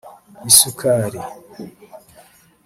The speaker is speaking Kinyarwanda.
isukura